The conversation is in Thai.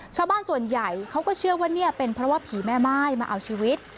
ชาวบ้านส่วนใหญ่เขาก็เชื่อว่าเนี่ยเป็นเพราะว่าผีแม่ม่ายมาเอาชีวิต